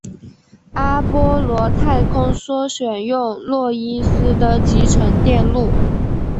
阿波罗太空梭选用诺伊斯的集成电路。